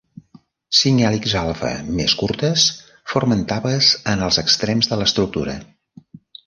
Cinc hèlixs alfa més curtes formen tapes en els extrems de l'estructura.